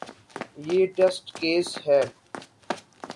یہ test case ہے۔